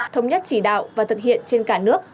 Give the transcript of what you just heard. thống nhất chỉ đạo và thực hiện trên cả nước